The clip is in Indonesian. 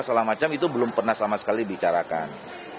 segala macam itu belum pernah sama sekali dibicarakan